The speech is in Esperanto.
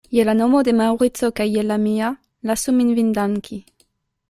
Je la nomo de Maŭrico kaj je la mia, lasu min vin danki.